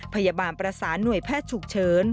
พยาบาลประสานหน่วยแพทย์ฉุกเฉิน